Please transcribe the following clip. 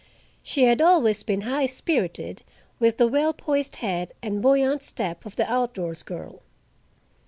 She had always been high spirited, with the well poised head and buoyant step of the outdoors girl.